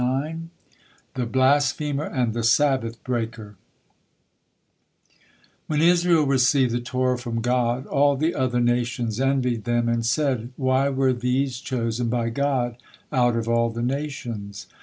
THE BLASPHEMER AND THE SABBATH BREAKER When Israel received the Torah from God, all the other nations envied them and said: "Why were these choosen by God out of all the nations?"